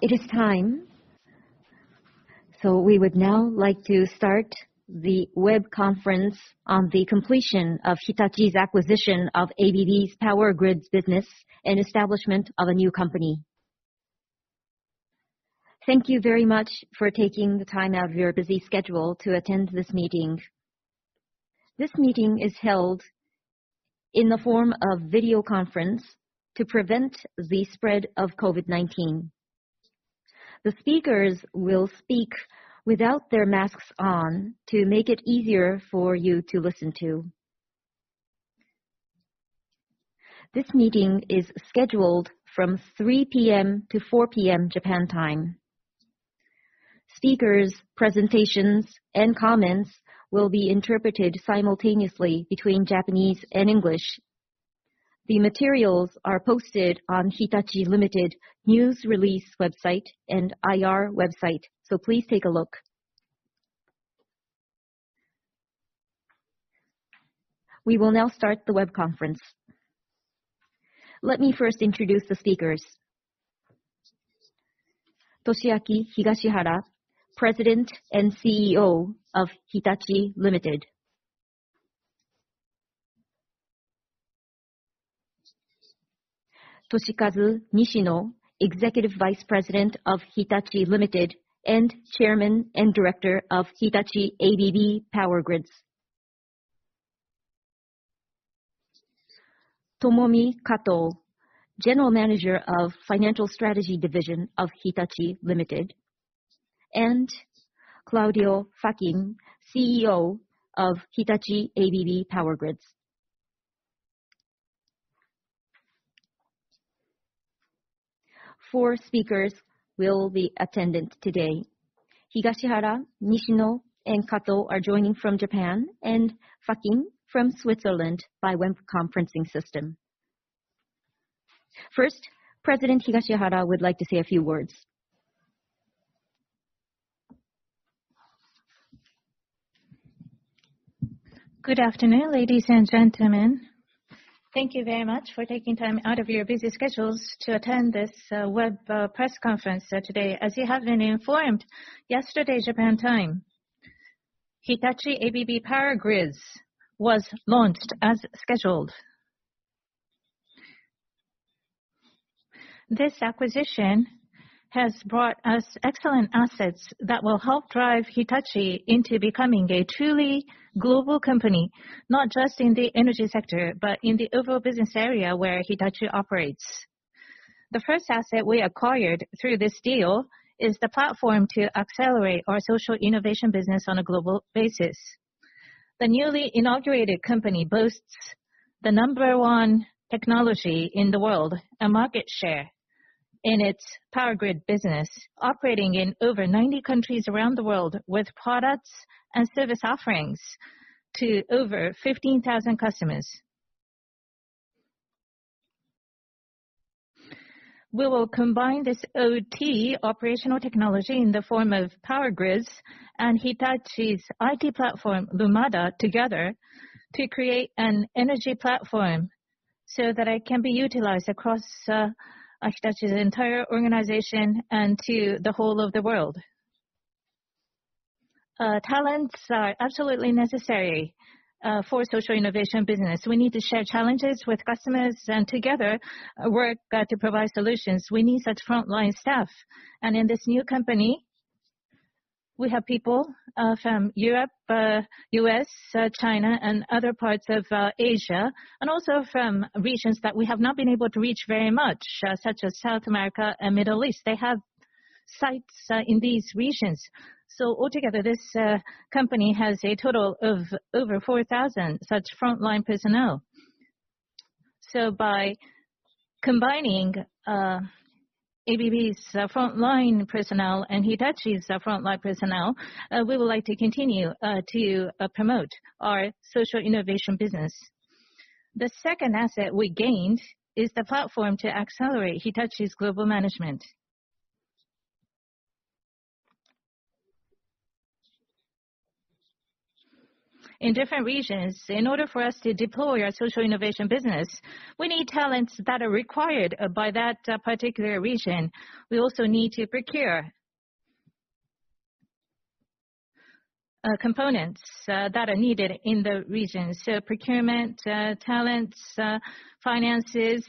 It is time. We would now like to start the web conference on the completion of Hitachi's acquisition of ABB's Power Grids business and establishment of a new company. Thank you very much for taking the time out of your busy schedule to attend this meeting. This meeting is held in the form of video conference to prevent the spread of COVID-19. The speakers will speak without their masks on to make it easier for you to listen to. This meeting is scheduled from 3:00 P.M. to 4:00 P.M. Japan time. Speakers' presentations and comments will be interpreted simultaneously between Japanese and English. The materials are posted on Hitachi, Ltd. news release website and IR website, so please take a look. We will now start the web conference. Let me first introduce the speakers. Toshiaki Higashihara, President and CEO of Hitachi, Ltd. Toshikazu Nishino, Executive Vice President of Hitachi, Ltd. and Chairman and Director of Hitachi ABB Power Grids. Tomomi Kato, General Manager of Financial Strategy Division of Hitachi, Ltd. Claudio Facchin, CEO of Hitachi ABB Power Grids. Four speakers will be attendant today. Higashihara, Nishino, and Kato are joining from Japan, and Facchin from Switzerland by web conferencing system. First, President Higashihara would like to say a few words. Good afternoon, ladies and gentlemen. Thank you very much for taking time out of your busy schedules to attend this web press conference today. As you have been informed, yesterday Japan time, Hitachi ABB Power Grids was launched as scheduled. This acquisition has brought us excellent assets that will help drive Hitachi into becoming a truly global company, not just in the energy sector, but in the overall business area where Hitachi operates. The first asset we acquired through this deal is the platform to accelerate our social innovation business on a global basis. The newly inaugurated company boasts the number 1 technology in the world and market share in its power grid business, operating in over 90 countries around the world with products and service offerings to over 15,000 customers. We will combine this OT, operational technology, in the form of power grids and Hitachi's IT platform, Lumada, together to create an energy platform so that it can be utilized across Hitachi's entire organization and to the whole of the world. Talents are absolutely necessary for social innovation business. We need to share challenges with customers and together work to provide solutions. We need such frontline staff. In this new company, we have people from Europe, U.S., China, and other parts of Asia. Also from regions that we have not been able to reach very much, such as South America and Middle East. They have sites in these regions. Altogether, this company has a total of over 4,000 such frontline personnel. By combining ABB's frontline personnel and Hitachi's frontline personnel, we would like to continue to promote our social innovation business. The second asset we gained is the platform to accelerate Hitachi's global management. In different regions, in order for us to deploy our social innovation business, we need talents that are required by that particular region. We also need to procure components that are needed in the region. Procurement, talents, finances.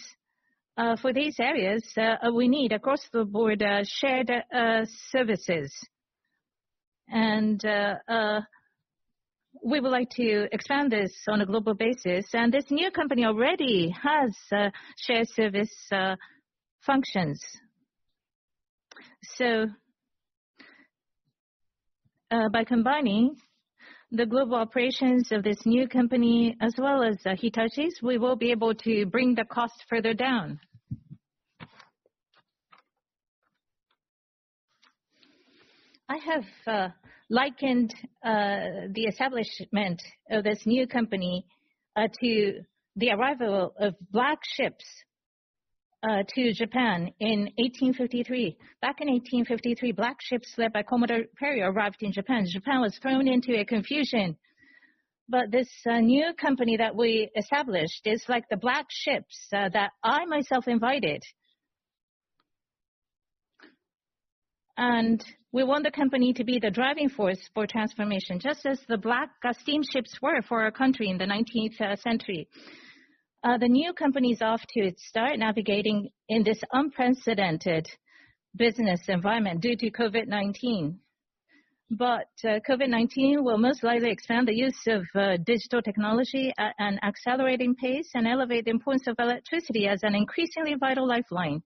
For these areas, we need across the board shared services. We would like to expand this on a global basis, and this new company already has shared service functions. By combining the global operations of this new company as well as Hitachi's, we will be able to bring the cost further down. I have likened the establishment of this new company to the arrival of Black Ships to Japan in 1853. Back in 1853, Black Ships led by Commodore Perry arrived in Japan. Japan was thrown into a confusion. This new company that we established is like the Black Ships that I myself invited. We want the company to be the driving force for transformation, just as the Black Steamships were for our country in the 19th century. The new company's off to start navigating in this unprecedented business environment due to COVID-19. COVID-19 will most likely expand the use of digital technology at an accelerating pace and elevate the importance of electricity as an increasingly vital lifeline.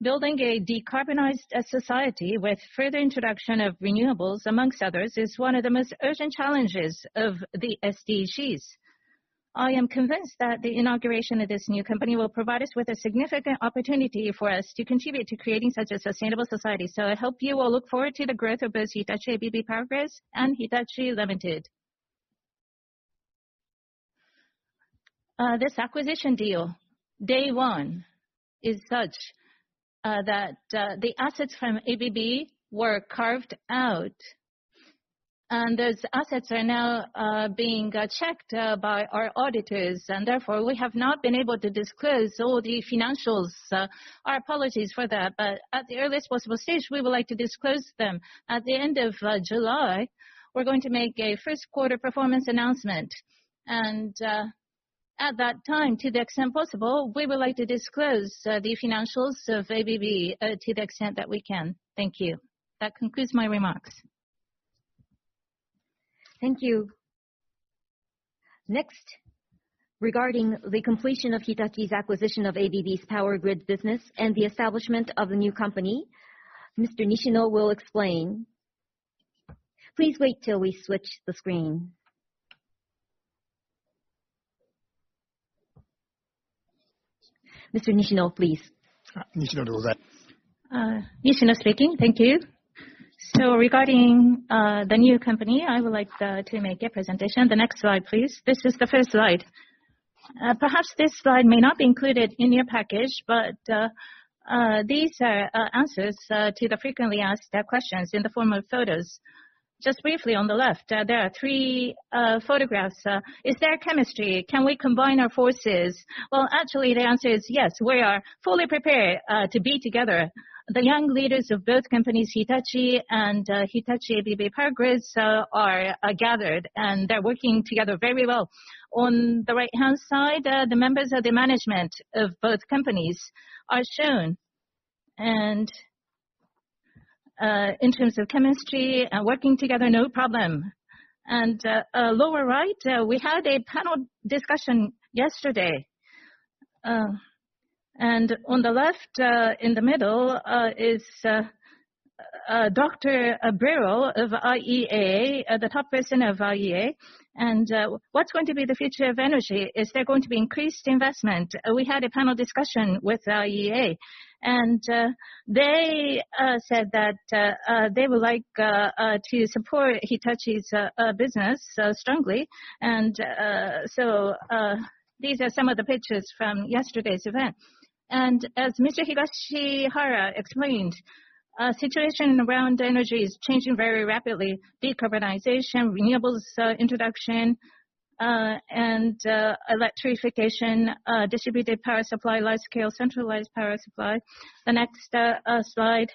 Building a decarbonized society with further introduction of renewables, amongst others, is one of the most urgent challenges of the SDGs. I am convinced that the inauguration of this new company will provide us with a significant opportunity for us to contribute to creating such a sustainable society. I hope you will look forward to the growth of both Hitachi ABB Power Grids and Hitachi Limited. This acquisition deal, day one, is such that the assets from ABB were carved out, and those assets are now being checked by our auditors. Therefore, we have not been able to disclose all the financials. Our apologies for that, but at the earliest possible stage, we would like to disclose them. At the end of July, we're going to make a first-quarter performance announcement, and at that time, to the extent possible, we would like to disclose the financials of ABB to the extent that we can. Thank you. That concludes my remarks. Thank you. Next, regarding the completion of Hitachi's acquisition of ABB's power grid business and the establishment of the new company, Mr. Nishino will explain. Please wait till we switch the screen. Mr. Nishino, please. Nishino. Nishino speaking. Thank you. Regarding the new company, I would like to make a presentation. The next slide, please. This is the first slide. Perhaps this slide may not be included in your package, but these are answers to the frequently asked questions in the form of photos. Just briefly, on the left, there are three photographs. Is there chemistry? Can we combine our forces? Well, actually, the answer is yes. We are fully prepared to be together. The young leaders of both companies, Hitachi and Hitachi ABB Power Grids, are gathered, and they're working together very well. On the right-hand side, the members of the management of both companies are shown. In terms of chemistry and working together, no problem. Lower right, we had a panel discussion yesterday. On the left, in the middle, is Dr. Birol of IEA, the top person of IEA. What's going to be the future of energy? Is there going to be increased investment? We had a panel discussion with IEA, and they said that they would like to support Hitachi's business strongly. These are some of the pictures from yesterday's event. As Mr. Higashihara explained, situation around energy is changing very rapidly. Decarbonization, renewables introduction, and electrification, distributed power supply, large-scale centralized power supply. The next slide.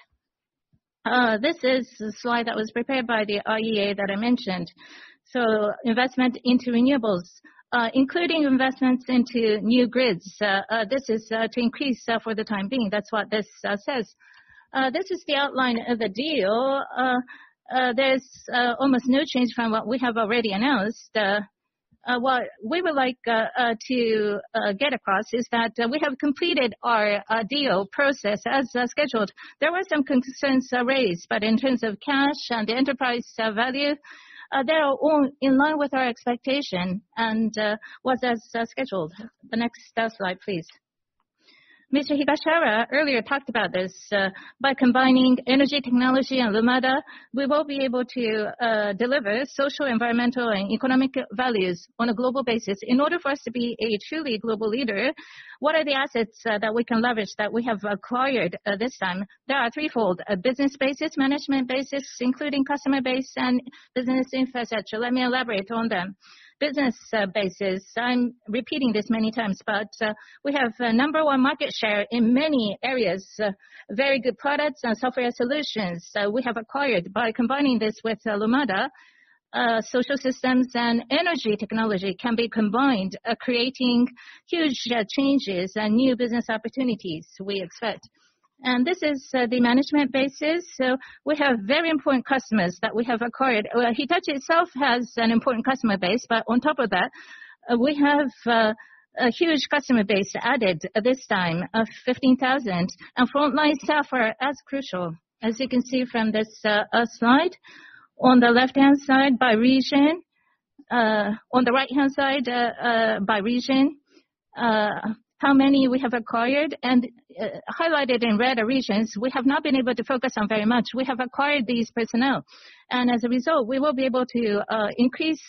This is the slide that was prepared by the IEA that I mentioned. Investment into renewables, including investments into new grids. This is to increase for the time being. That's what this says. This is the outline of the deal. There's almost no change from what we have already announced. What we would like to get across is that we have completed our deal process as scheduled. There were some concerns raised, but in terms of cash and enterprise value, they are all in line with our expectation and was as scheduled. The next slide, please. Mr. Higashihara earlier talked about this. By combining energy technology and Lumada, we will be able to deliver social, environmental, and economic values on a global basis. In order for us to be a truly global leader, what are the assets that we can leverage that we have acquired this time? There are threefold. A business basis, management basis, including customer base and business infrastructure. Let me elaborate on them. Business basis. I'm repeating this many times, but we have a number one market share in many areas, very good products and software solutions we have acquired. By combining this with Lumada, social systems and energy technology can be combined, creating huge changes and new business opportunities we expect. This is the management basis. We have very important customers that we have acquired. Hitachi itself has an important customer base, but on top of that, we have a huge customer base added this time of 15,000. Frontline staff are as crucial. As you can see from this slide, on the left-hand side by region, on the right-hand side by region, how many we have acquired. Highlighted in red are regions we have not been able to focus on very much. We have acquired these personnel, and as a result, we will be able to increase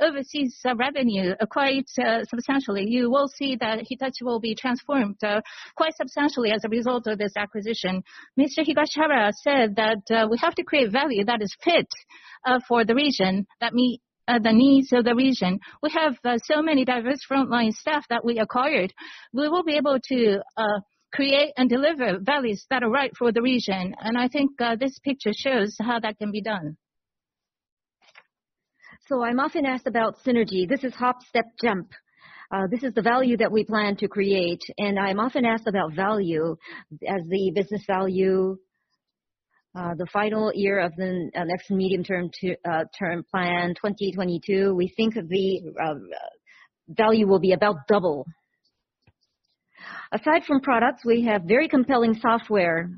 overseas revenue quite substantially. You will see that Hitachi will be transformed quite substantially as a result of this acquisition. Mr. Higashihara said that we have to create value that is fit for the region, that meet the needs of the region. We have so many diverse frontline staff that we acquired. We will be able to create and deliver values that are right for the region, and I think this picture shows how that can be done. I'm often asked about synergy. This is hop, step, jump. This is the value that we plan to create, and I'm often asked about value as the business value. The final year of the next medium-term plan 2022, we think the value will be about double. Aside from products, we have very compelling software.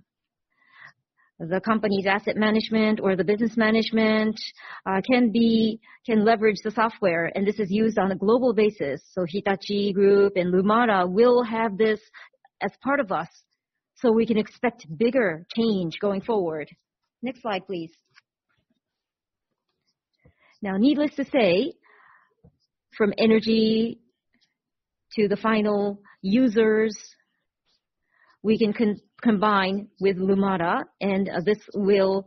The company's asset management or the business management can leverage the software, and this is used on a global basis. Hitachi Group and Lumada will have this as part of us, so we can expect bigger change going forward. Next slide, please. Needless to say, from energy to the final users, we can combine with Lumada and this will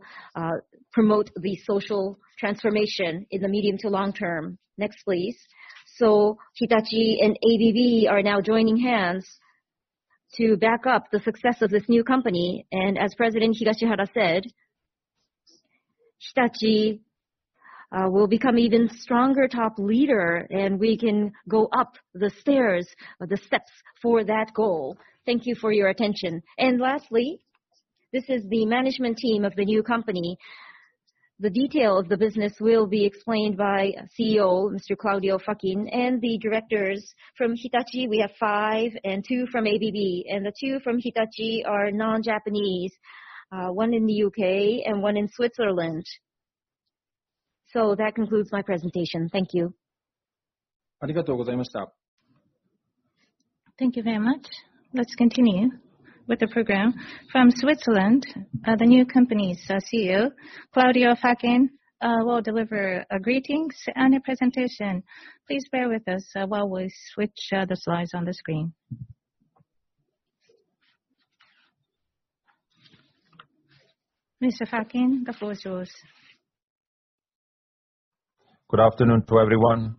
promote the social transformation in the medium to long term. Next, please. Hitachi and ABB are now joining hands to back up the success of this new company. As President Higashihara said, Hitachi will become even stronger top leader, and we can go up the stairs, the steps for that goal. Thank you for your attention. Lastly, this is the management team of the new company. The detail of the business will be explained by CEO Mr. Claudio Facchin and the directors. From Hitachi, we have five and two from ABB. The two from Hitachi are non-Japanese, one in the U.K. and one in Switzerland. That concludes my presentation. Thank you. Thank you very much. Let's continue with the program. From Switzerland, the new company's CEO, Claudio Facchin, will deliver greetings and a presentation. Please bear with us while we switch the slides on the screen. Mr. Facchin, the floor is yours. Good afternoon to everyone.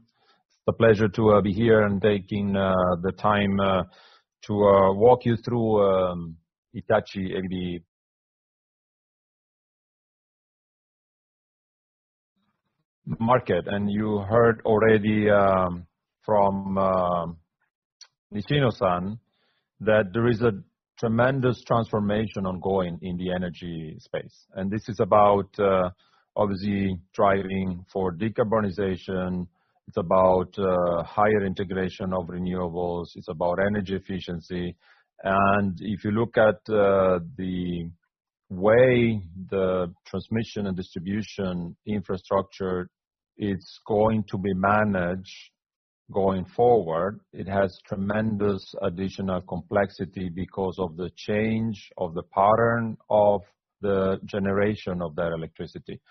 It's a pleasure to be here and taking the time to walk you through Hitachi ABB market. You heard already from Nishino-san that there is a tremendous transformation ongoing in the energy space. This is about, obviously, driving for decarbonization. It's about higher integration of renewables. It's about energy efficiency. If you look at the way the transmission and distribution infrastructure is going to be managed going forward, it has tremendous additional complexity because of the change of the pattern of the generation of that electricity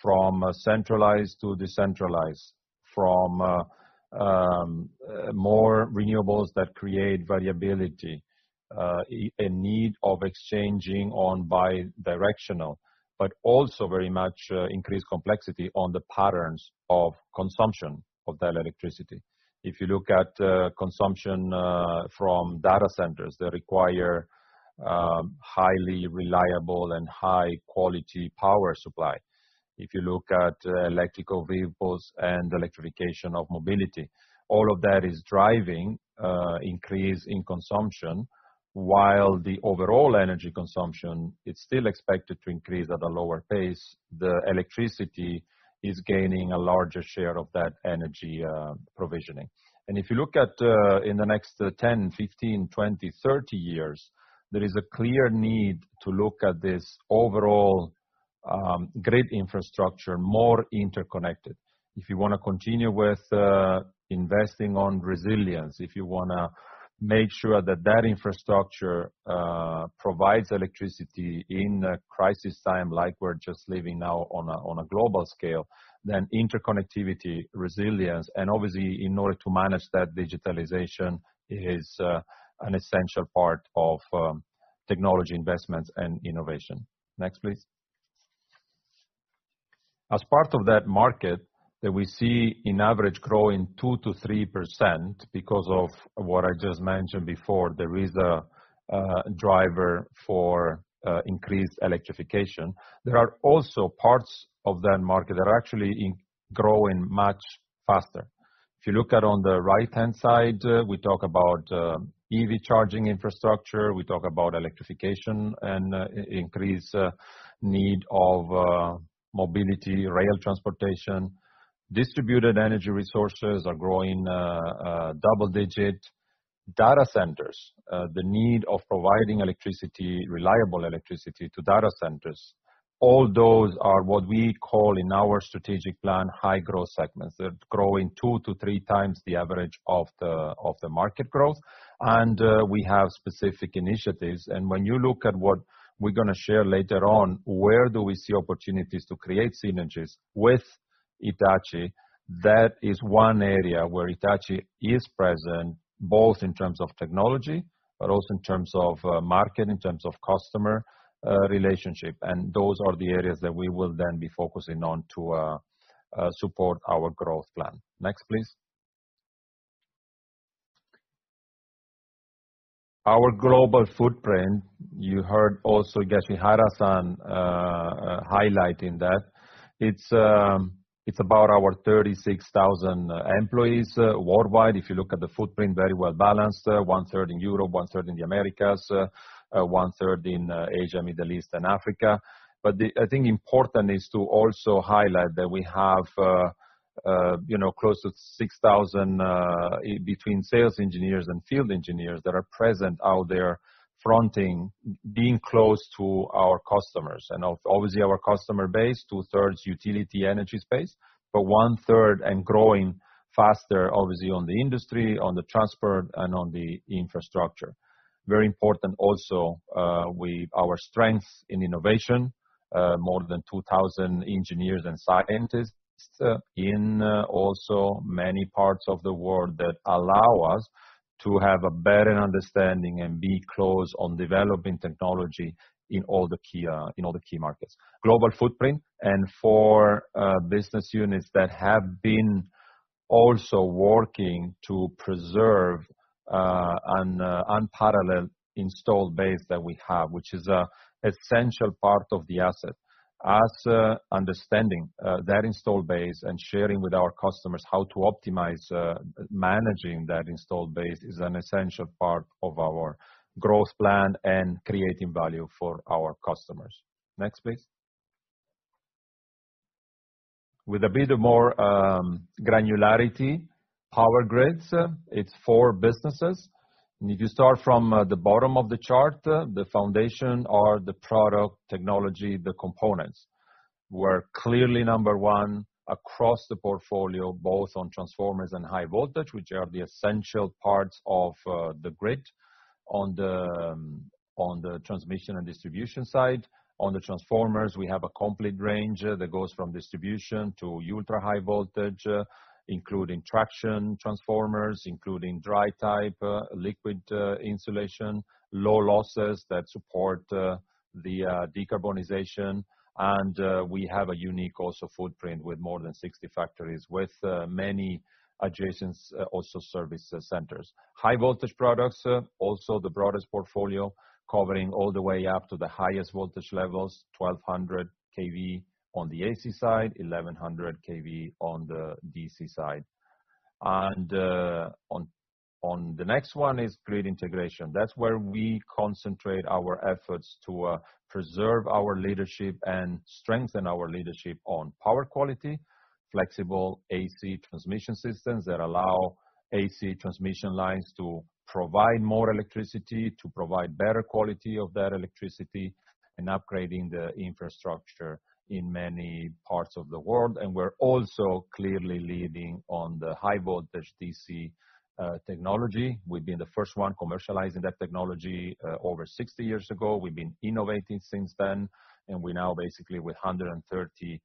from centralized to decentralized, from more renewables that create variability, a need of exchanging on bidirectional. Also very much increased complexity on the patterns of consumption of that electricity. If you look at consumption from data centers, they require highly reliable and high-quality power supply. If you look at electric vehicles and electrification of mobility, all of that is driving increase in consumption while the overall energy consumption, it's still expected to increase at a lower pace. The electricity is gaining a larger share of that energy provisioning. If you look at in the next 10, 15, 20, 30 years, there is a clear need to look at this overall grid infrastructure more interconnected. If you want to continue with investing on resilience, if you want to make sure that infrastructure provides electricity in a crisis time like we're just living now on a global scale, then interconnectivity, resilience, and obviously in order to manage that digitalization, is an essential part of technology investments and innovation. Next, please. As part of that market that we see on average growing 2%-3% because of what I just mentioned before, there is a driver for increased electrification. There are also parts of that market that are actually growing much faster. If you look at on the right-hand side, we talk about EV charging infrastructure, we talk about electrification and increased need of mobility, rail transportation. Distributed energy resources are growing double-digit. Data centers, the need of providing reliable electricity to data centers. All those are what we call in our strategic plan, high growth segments. They're growing two to three times the average of the market growth. We have specific initiatives, and when you look at what we're going to share later on, where do we see opportunities to create synergies with Hitachi? That is one area where Hitachi is present, both in terms of technology but also in terms of market, in terms of customer relationship. Those are the areas that we will then be focusing on to support our growth plan. Next, please. Our global footprint, you heard also Higashihara-san highlighting that. It's about our 36,000 employees worldwide. If you look at the footprint, very well-balanced, one-third in Europe, one-third in the Americas, one-third in Asia, Middle East, and Africa. I think important is to also highlight that we have close to 6,000 between sales engineers and field engineers that are present out there fronting, being close to our customers. Obviously, our customer base, two-thirds utility energy space, but one-third and growing faster, obviously, on the industry, on the transport, and on the infrastructure. Very important also, our strength in innovation, more than 2,000 engineers and scientists in also many parts of the world that allow us to have a better understanding and be close on developing technology in all the key markets. Global footprint and four business units that have been also working to preserve an unparalleled installed base that we have, which is an essential part of the asset. Us understanding that installed base and sharing with our customers how to optimize managing that installed base is an essential part of our growth plan and creating value for our customers. Next, please. With a bit of more granularity, Power Grids, it's four businesses. If you start from the bottom of the chart, the foundation or the product technology, the components, we're clearly number one across the portfolio, both on transformers and high voltage, which are the essential parts of the grid on the transmission and distribution side. On the transformers, we have a complete range that goes from distribution to ultra-high voltage, including traction transformers, including dry type, liquid insulation, low losses that support the decarbonization. We have a unique also footprint with more than 60 factories with many adjacent also service centers. High voltage products, also the broadest portfolio, covering all the way up to the highest voltage levels, 1,200 kV on the AC side, 1,100 kV on the DC side. On the next one is grid integration. That's where we concentrate our efforts to preserve our leadership and strengthen our leadership on power quality, flexible AC transmission systems that allow AC transmission lines to provide more electricity, to provide better quality of that electricity, and upgrading the infrastructure in many parts of the world. We're also clearly leading on the high voltage DC technology. We've been the first one commercializing that technology over 60 years ago. We've been innovating since then, and we now basically with 130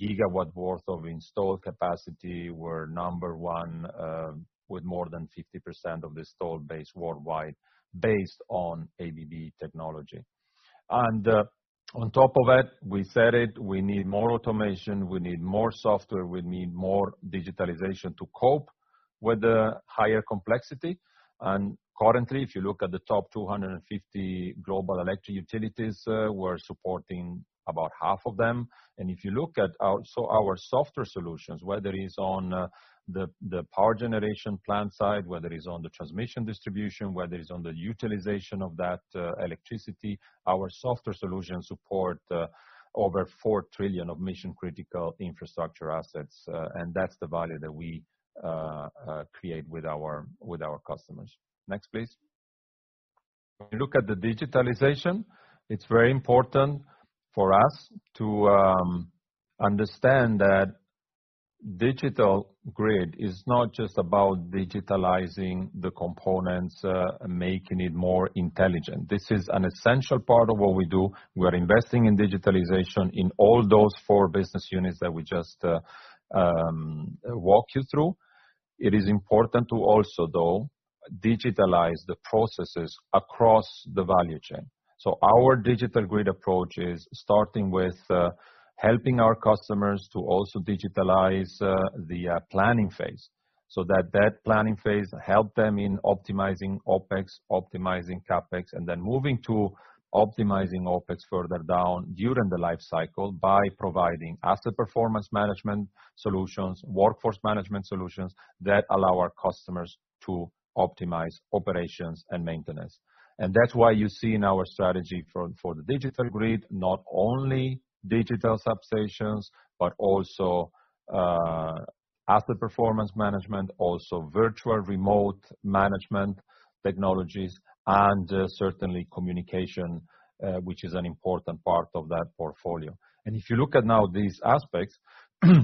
gigawatt worth of installed capacity, we're number one with more than 50% of the installed base worldwide based on ABB technology. On top of that, we said it, we need more automation, we need more software, we need more digitalization to cope with the higher complexity. Currently, if you look at the top 250 global electric utilities, we're supporting about half of them. If you look at also our software solutions, whether it's on the power generation plant side, whether it's on the transmission distribution, whether it's on the utilization of that electricity, our software solutions support over 4 trillion of mission-critical infrastructure assets, and that's the value that we create with our customers. Next, please. If you look at the digitalization, it's very important for us to understand that digital grid is not just about digitalizing the components, making it more intelligent. This is an essential part of what we do. We are investing in digitalization in all those four business units that we just walked you through. It is important to also, though, digitalize the processes across the value chain. Our digital grid approach is starting with helping our customers to also digitalize the planning phase, so that that planning phase help them in optimizing OpEx, optimizing CapEx, and then moving to optimizing OpEx further down during the life cycle by providing asset performance management solutions, workforce management solutions that allow our customers to optimize operations and maintenance. That's why you see in our strategy for the digital grid, not only digital substations, but also asset performance management, also virtual remote management technologies, and certainly communication, which is an important part of that portfolio. If you look at now these aspects,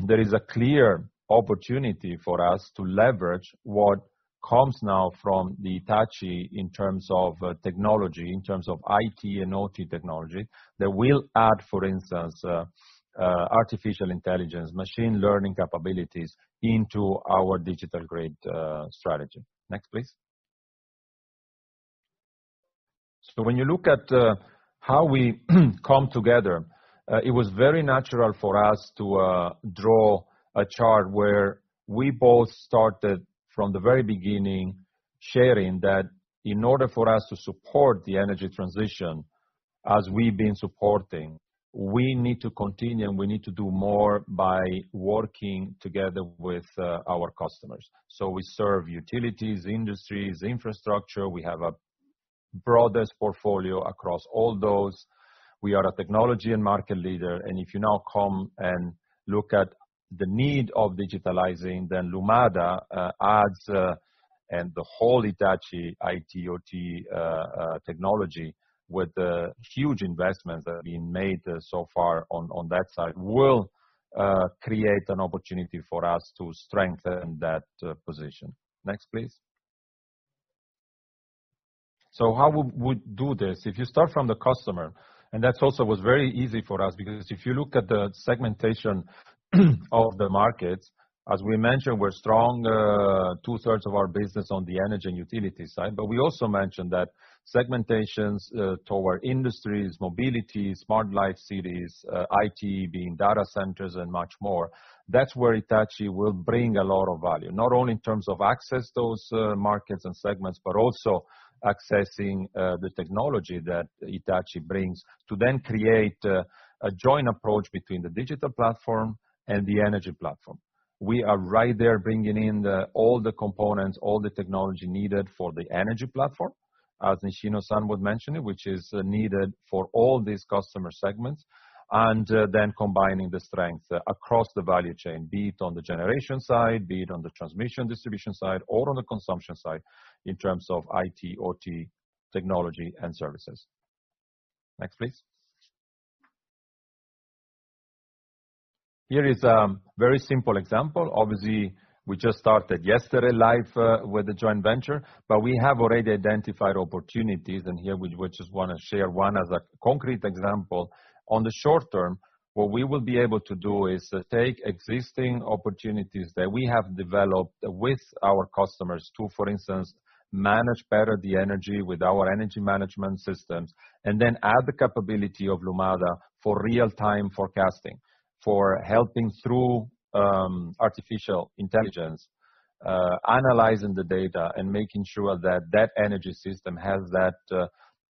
there is a clear opportunity for us to leverage what comes now from Hitachi in terms of technology, in terms of IT and OT technology, that will add, for instance, artificial intelligence, machine learning capabilities into our digital grid strategy. Next, please. When you look at how we come together, it was very natural for us to draw a chart where we both started from the very beginning, sharing that in order for us to support the energy transition as we've been supporting, we need to continue, and we need to do more by working together with our customers. We serve utilities, industries, infrastructure. We have a broadest portfolio across all those. We are a technology and market leader, and if you now come and look at the need of digitalizing, then Lumada adds, and the whole Hitachi IT, OT technology with the huge investments that have been made so far on that side will create an opportunity for us to strengthen that position. Next, please. How would we do this? If you start from the customer, and that's also was very easy for us because if you look at the segmentation of the markets, as we mentioned, we're strong, two-thirds of our business on the energy and utility side, but we also mentioned that segmentations toward industries, mobility, smart life cities, IT being data centers, and much more. That's where Hitachi will bring a lot of value. Not only in terms of access those markets and segments, but also accessing the technology that Hitachi brings to then create a joint approach between the digital platform and the energy platform. We are right there bringing in all the components, all the technology needed for the energy platform, as Nishino-san would mention it, which is needed for all these customer segments, and then combining the strength across the value chain, be it on the generation side, be it on the transmission distribution side, or on the consumption side in terms of IT, OT, technology, and services. Next, please. Here is a very simple example. Obviously, we just started yesterday live with a joint venture, but we have already identified opportunities, and here we just want to share one as a concrete example. On the short term, what we will be able to do is take existing opportunities that we have developed with our customers to, for instance, manage better the energy with our energy management systems, and then add the capability of Lumada for real-time forecasting. For helping through artificial intelligence, analyzing the data, and making sure that that energy system has that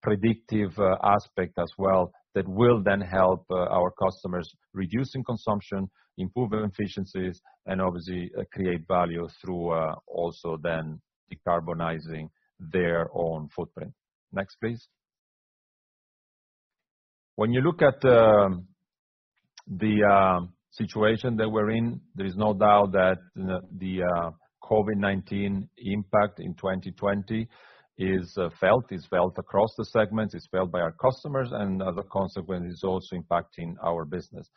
predictive aspect as well, that will then help our customers reducing consumption, improve their efficiencies, and obviously create value through also then decarbonizing their own footprint. Next, please. When you look at the situation that we're in, there is no doubt that the COVID-19 impact in 2020 is felt. It's felt across the segments, it's felt by our customers, and as a consequence, it's also impacting our business.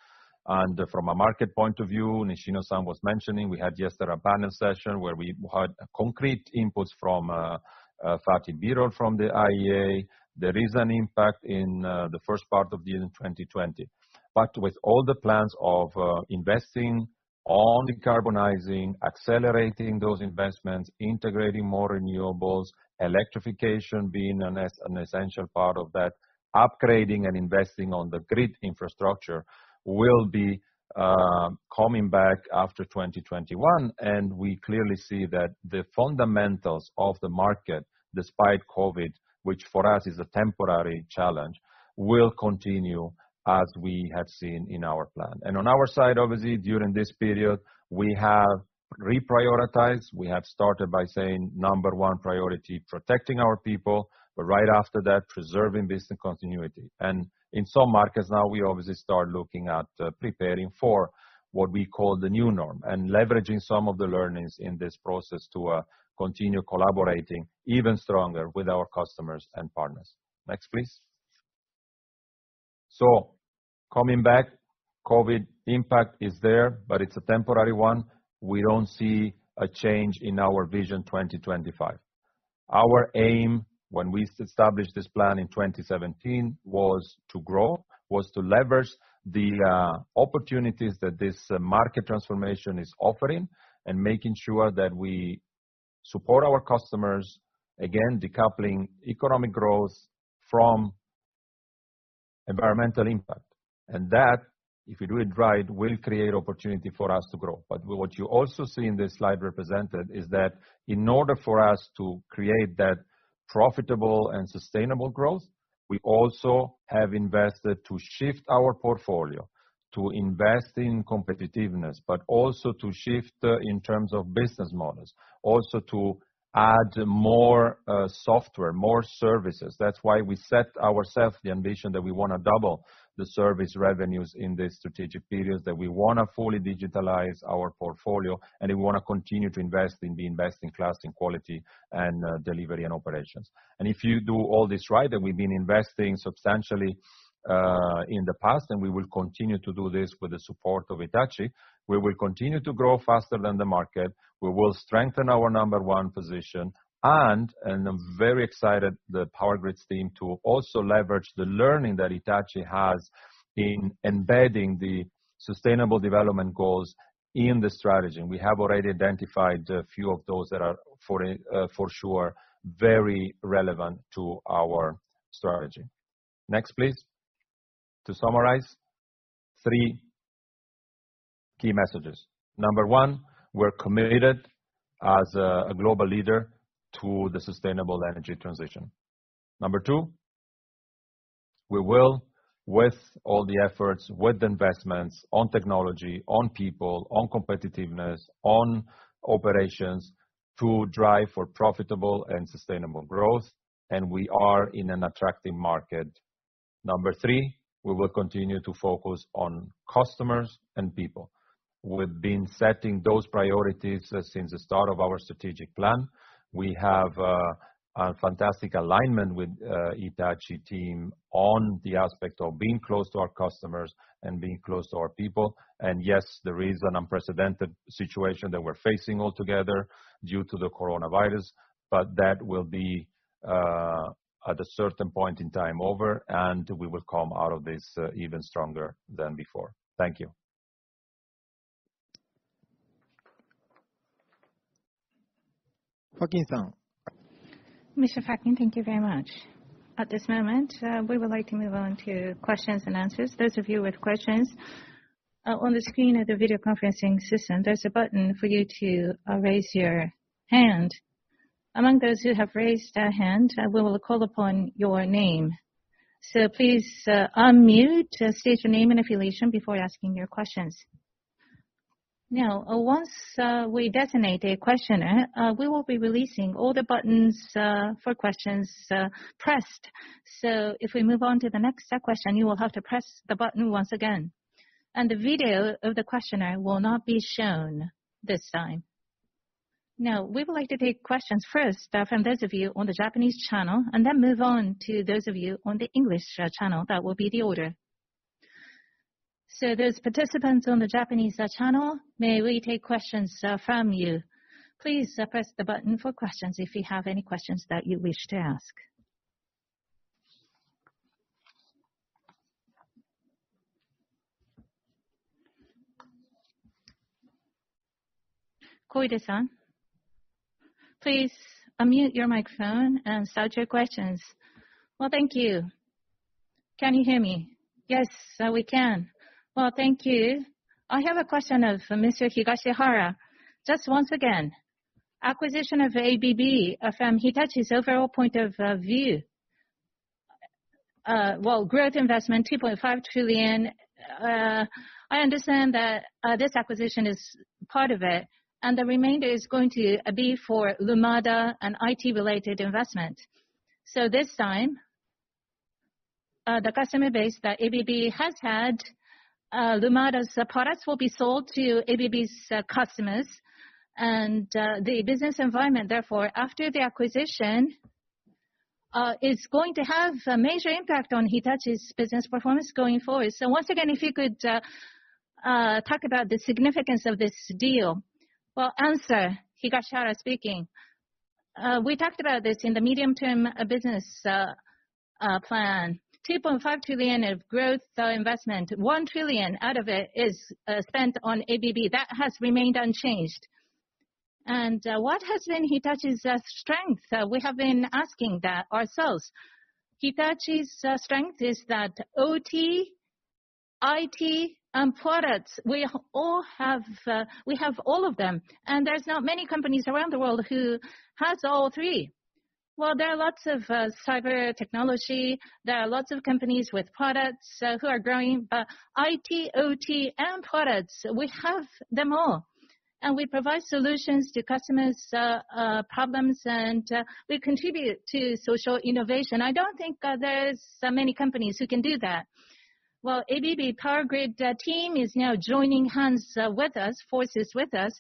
From a market point of view, Nishino-san was mentioning, we had yesterday a panel session where we had concrete inputs from Fatih Birol from the IEA. There is an impact in the first part of the year 2020. With all the plans of investing on decarbonizing, accelerating those investments, integrating more renewables, electrification being an essential part of that, upgrading and investing on the grid infrastructure will be coming back after 2021. We clearly see that the fundamentals of the market, despite COVID, which for us is a temporary challenge, will continue as we have seen in our plan. On our side, obviously, during this period, we have reprioritized. We have started by saying, number 1 priority, protecting our people, but right after that, preserving business continuity. In some markets now, we obviously start looking at preparing for what we call the new norm, and leveraging some of the learnings in this process to continue collaborating even stronger with our customers and partners. Next, please. Coming back, COVID impact is there, but it's a temporary one. We don't see a change in our Vision 2025. Our aim when we established this plan in 2017 was to grow, to leverage the opportunities that this market transformation is offering, and making sure that we support our customers, again, decoupling economic growth from environmental impact. That, if you do it right, will create opportunity for us to grow. What you also see in this slide represented is that in order for us to create that profitable and sustainable growth, we also have invested to shift our portfolio. To invest in competitiveness, but also to shift in terms of business models, also to add more software, more services. That's why we set ourselves the ambition that we want to double the service revenues in this strategic period, that we want to fully digitalize our portfolio, and we want to continue to invest in being best in class in quality and delivery and operations. If you do all this right, then we've been investing substantially in the past, and we will continue to do this with the support of Hitachi. We will continue to grow faster than the market. We will strengthen our number one position, and I'm very excited the power grids team to also leverage the learning that Hitachi has in embedding the Sustainable Development Goals in the strategy. We have already identified a few of those that are for sure, very relevant to our strategy. Next, please. To summarize, three key messages. Number one, we're committed as a global leader to the sustainable energy transition. Number two, we will, with all the efforts, with investments on technology, on people, on competitiveness, on operations, to drive for profitable and sustainable growth, and we are in an attractive market. Number three, we will continue to focus on customers and people. We've been setting those priorities since the start of our strategic plan. We have a fantastic alignment with Hitachi team on the aspect of being close to our customers and being close to our people. Yes, there is an unprecedented situation that we're facing altogether due to the COVID-19, but that will be, at a certain point in time, over, and we will come out of this even stronger than before. Thank you. Mr. Facchin, thank you very much. At this moment, we would like to move on to questions and answers. Those of you with questions, on the screen of the video conferencing system, there's a button for you to raise your hand. Among those who have raised a hand, we will call upon your name. Please unmute, state your name and affiliation before asking your questions. Once we designate a questioner, we will be releasing all the buttons for questions pressed. If we move on to the next question, you will have to press the button once again. The video of the questioner will not be shown this time. We would like to take questions first from those of you on the Japanese channel, and then move on to those of you on the English channel. That will be the order. Those participants on the Japanese channel, may we take questions from you. Please press the button for questions if you have any questions that you wish to ask. Koide-san, please unmute your microphone and start your questions. Well, thank you. Can you hear me? Yes, we can. Well, thank you. I have a question of Mr. Higashihara. Just once again, acquisition of ABB from Hitachi's overall point of view. Well, growth investment, 2.5 trillion. I understand that this acquisition is part of it, and the remainder is going to be for Lumada and IT-related investment. This time, the customer base that ABB has had, Lumada's products will be sold to ABB's customers. The business environment, therefore, after the acquisition, is going to have a major impact on Hitachi's business performance going forward. Once again, if you could talk about the significance of this deal. Well, answer. Higashihara speaking. We talked about this in the medium-term business plan. 2.5 trillion of growth investment. 1 trillion out of it is spent on ABB. That has remained unchanged. What has been Hitachi's strength? We have been asking that ourselves. Hitachi's strength is that OT, IT, and products, we have all of them, and there's not many companies around the world who has all three. Well, there are lots of cyber technology. There are lots of companies with products who are growing. IT, OT, and products, we have them all, and we provide solutions to customers' problems, and we contribute to social innovation. I don't think there's many companies who can do that. Well, ABB Power Grids team is now joining hands with us, forces with us.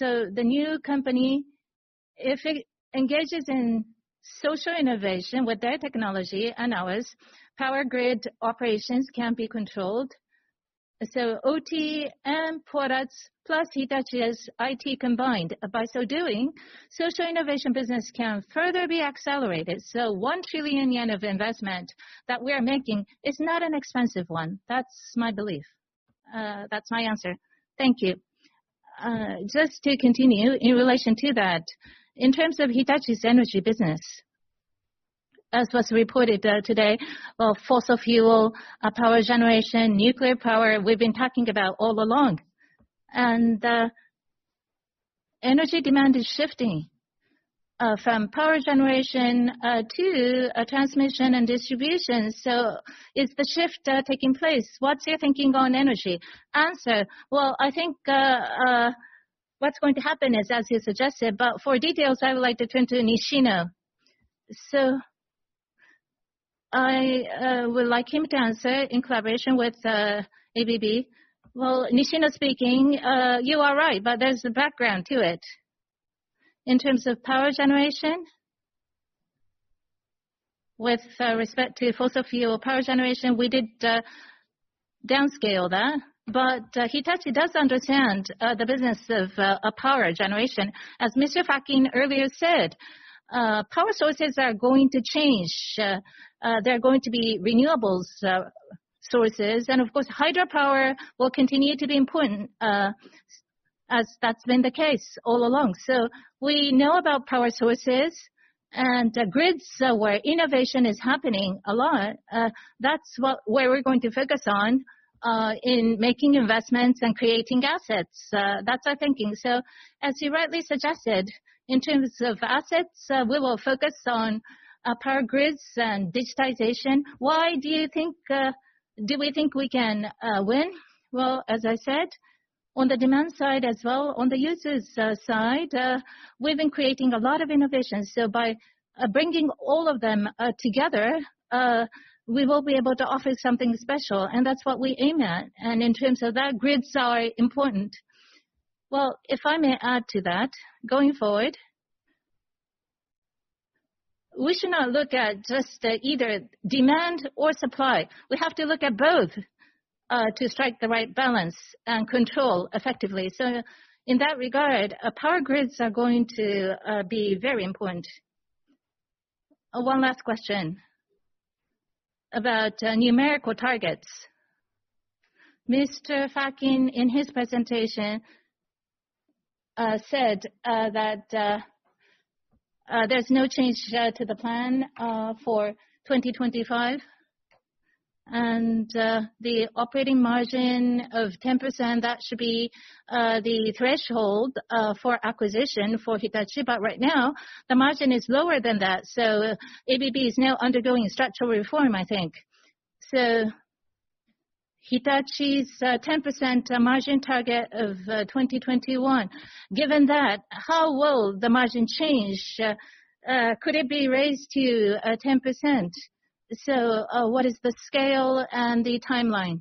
The new company, if it engages in social innovation with their technology and ours, power grid operations can be controlled. OT and products, plus Hitachi's IT combined. By so doing, social innovation business can further be accelerated. 1 trillion yen of investment that we are making is not an expensive one. That's my belief. That's my answer. Thank you. Just to continue, in relation to that, in terms of Hitachi's energy business, as was reported today, fossil fuel, power generation, nuclear power, we've been talking about all along. Energy demand is shifting from power generation to transmission and distribution. Is the shift taking place? What's your thinking on energy? Answer. Well, I think what's going to happen is as you suggested, but for details, I would like to turn to Nishino. I would like him to answer in collaboration with ABB. Well, Nishino speaking. You are right, there's a background to it. In terms of power generation, with respect to fossil fuel power generation, we did downscale that. Hitachi does understand the business of power generation. Mr. Facchin earlier said, power sources are going to change. There are going to be renewables sources. Of course, hydropower will continue to be important. As that's been the case all along. We know about power sources and grids where innovation is happening a lot. That's where we're going to focus on in making investments and creating assets. That's our thinking. As you rightly suggested, in terms of assets, we will focus on power grids and digitization. Why do we think we can win? Well, as I said, on the demand side as well, on the user's side, we've been creating a lot of innovations. By bringing all of them together, we will be able to offer something special, and that's what we aim at. In terms of that, grids are important. Well, if I may add to that, going forward, we should not look at just either demand or supply. We have to look at both to strike the right balance and control effectively. In that regard, power grids are going to be very important. One last question about numerical targets. Mr. Facchin in his presentation said that there's no change to the plan for 2025, and the operating margin of 10%, that should be the threshold for acquisition for Hitachi. Right now, the margin is lower than that. ABB is now undergoing a structural reform, I think. Hitachi's 10% margin target of 2021, given that, how will the margin change? Could it be raised to 10%? What is the scale and the timeline?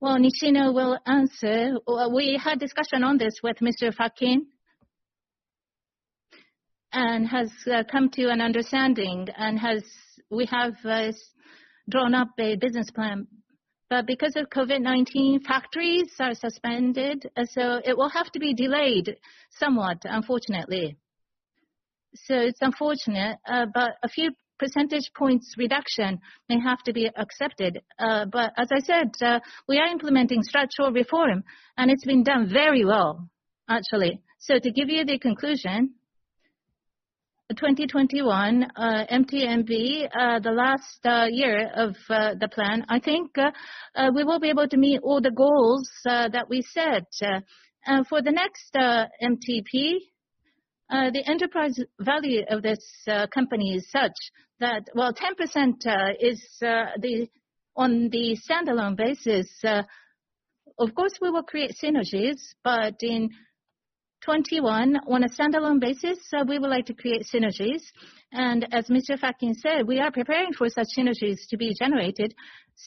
Well, Nishino will answer. We had discussion on this with Mr. Facchin, has come to an understanding, and we have drawn up a business plan. Because of COVID-19, factories are suspended, it will have to be delayed somewhat, unfortunately. It's unfortunate, a few percentage points reduction may have to be accepted. As I said, we are implementing structural reform, and it's been done very well, actually. To give you the conclusion, 2021 MTMP, the last year of the plan, I think we will be able to meet all the goals that we set. For the next MTP, the enterprise value of this company is such that while 10% is on the standalone basis, of course we will create synergies. In 2021, on a standalone basis, we would like to create synergies. As Mr. Facchin said, we are preparing for such synergies to be generated.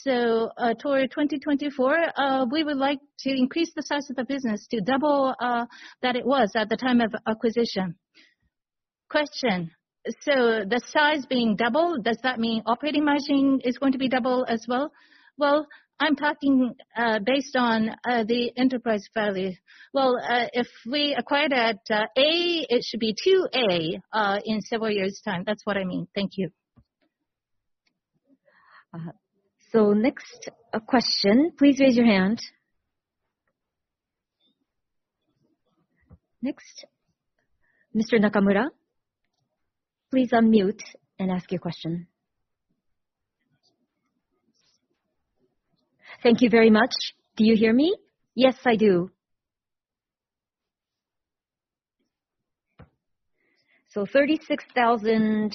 Toward 2024, we would like to increase the size of the business to double that it was at the time of acquisition. Question. The size being double, does that mean operating margin is going to be double as well? Well, I'm talking based on the enterprise value. Well, if we acquired at A, it should be 2A in several years' time. That's what I mean. Thank you. Next question, please raise your hand. Next. Mr. Nakamura, please unmute and ask your question. Thank you very much. Do you hear me? Yes, I do. 36,000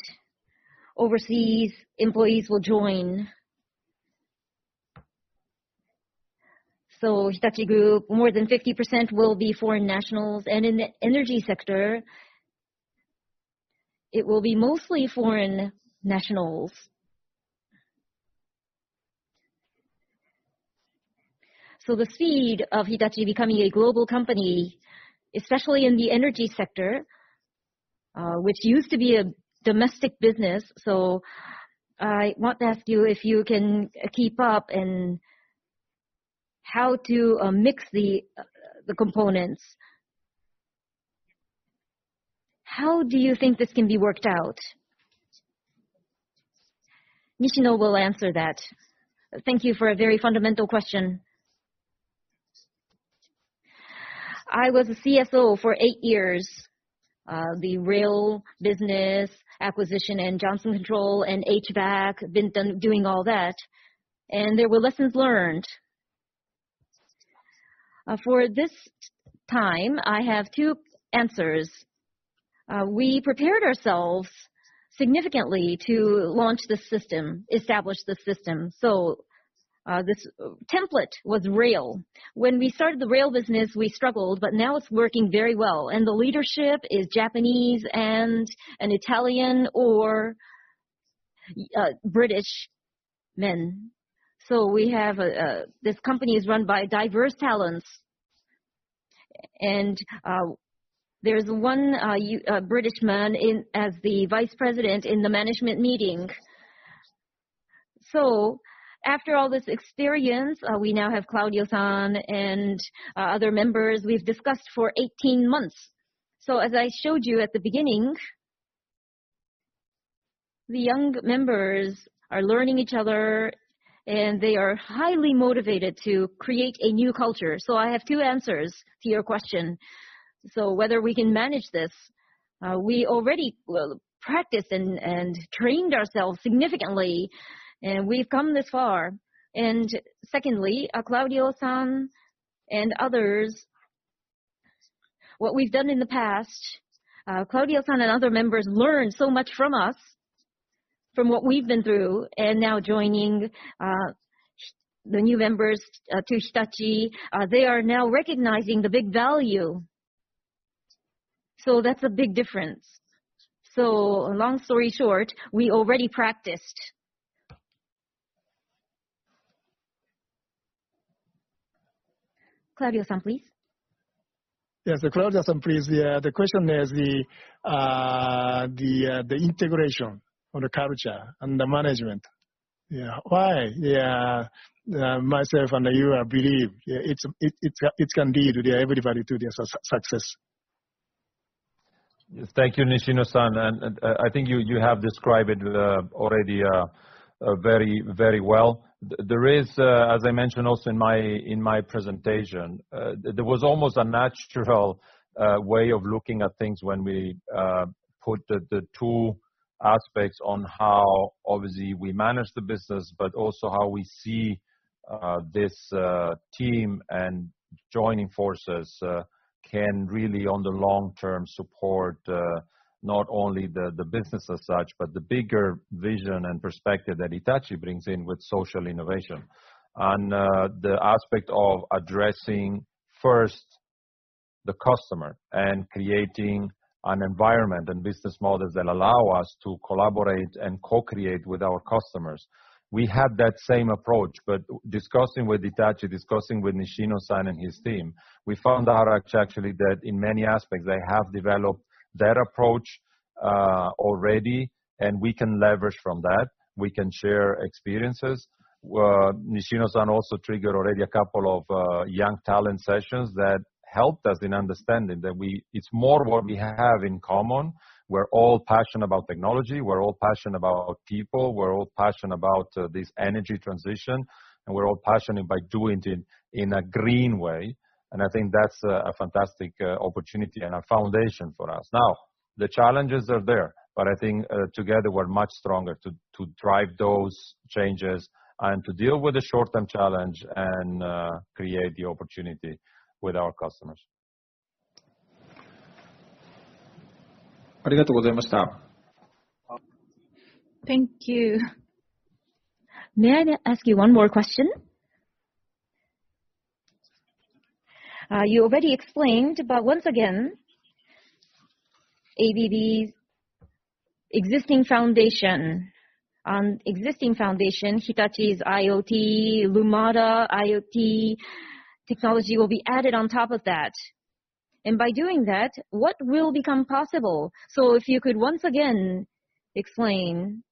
overseas employees will join. Hitachi Group, more than 50% will be foreign nationals. In the energy sector, it will be mostly foreign nationals. The seed of Hitachi becoming a global company, especially in the energy sector, which used to be a domestic business. I want to ask you if you can keep up and how to mix the components. How do you think this can be worked out? Nishino will answer that. Thank you for a very fundamental question. I was a CSO for eight years. The rail business acquisition and Johnson Controls and HVAC, been doing all that, and there were lessons learned. For this time, I have two answers. We prepared ourselves significantly to launch this system, establish this system. This template was rail. When we started the rail business, we struggled, but now it's working very well, and the leadership is Japanese and an Italian or British man. This company is run by diverse talents. There's one British man as the Vice President in the management meetings. After all this experience, we now have Claudio-san and other members. We've discussed for 18 months. As I showed you at the beginning The young members are learning each other, and they are highly motivated to create a new culture. I have two answers to your question. Whether we can manage this, we already will practice and trained ourselves significantly, and we've come this far. Secondly, Claudio-san and others, what we've done in the past, Claudio-san and other members learned so much from us, from what we've been through. Now joining the new members to Hitachi, they are now recognizing the big value. That's a big difference. Long story short, we already practiced. Claudio-san, please. Yes. Claudio-san, please. The question is the integration of the culture and the management. Yeah. Why? Myself and you believe it can lead everybody to their success. Thank you, Nishino-san. I think you have described it already very well. There is, as I mentioned also in my presentation, there was almost a natural way of looking at things when we put the two aspects on how obviously we manage the business, but also how we see this team and joining forces can really, on the long term, support not only the business as such, but the bigger vision and perspective that Hitachi brings in with social innovation. The aspect of addressing first the customer and creating an environment and business models that allow us to collaborate and co-create with our customers. We had that same approach, but discussing with Hitachi, discussing with Nishino-san and his team, we found out actually that in many aspects, they have developed their approach already, and we can leverage from that. We can share experiences. Nishino-san also triggered already a couple of young talent sessions that helped us in understanding that it's more what we have in common. We're all passionate about technology. We're all passionate about people. We're all passionate about this energy transition, and we're all passionate by doing it in a green way. I think that's a fantastic opportunity and a foundation for us. Now, the challenges are there, but I think together we're much stronger to drive those changes and to deal with the short-term challenge and create the opportunity with our customers. Thank you. May I ask you one more question? You already explained, once again, ABB's existing foundation, Hitachi's IoT, Lumada IoT technology will be added on top of that. By doing that, what will become possible? If you could once again explain